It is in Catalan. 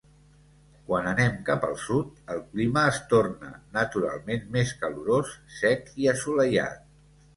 Quan anem cap al sud, el clima es torna naturalment més calorós, sec i assolellat.